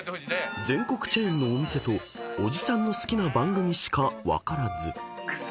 ［全国チェーンのお店とおじさんの好きな番組しか分からず］